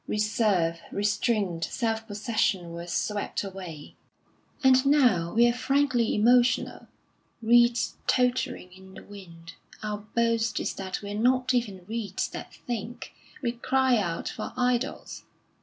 Reserve, restraint, self possession, were swept away ... And now we are frankly emotional; reeds tottering in the wind, our boast is that we are not even reeds that think; we cry out for idols.